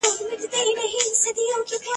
رسنۍ د خلکو ملاتړ کوي.